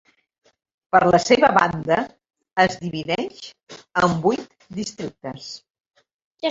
Per la seva banda, es divideix en vuit districtes.